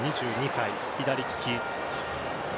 ２２歳、左利き。